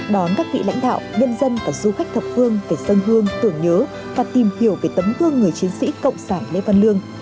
đón các vị lãnh đạo dân dân và du khách thập hương về sân hương tưởng nhớ và tìm hiểu về tấm hương người chiến sĩ cộng sản lê văn lương